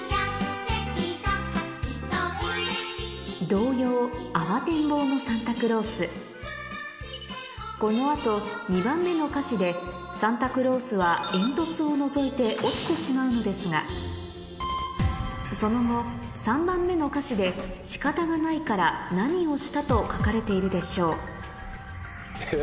童謡この後２番目の歌詞でサンタクロースは煙突をのぞいて落ちてしまうのですがその後３番目の歌詞でしかたがないから何をしたと書かれているでしょう？